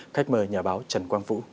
khách mời nhà báo trần quang vũ